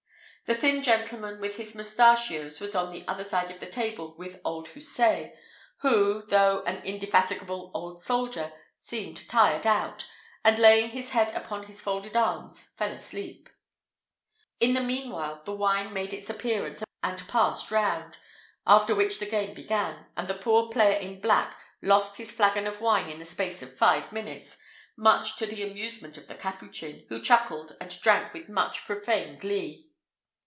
The thin gentleman with his mustachios was on the other side of the table with old Houssaye, who, though an indefatigable old soldier, seemed tired out, and, laying his head upon his folded arms, fell asleep. In the meanwhile, the wine made its appearance, and passed round; after which the game began, and the poor player in black lost his flagon of wine in the space of five minutes, much to the amusement of the Capuchin, who chuckled and drank with much profane glee.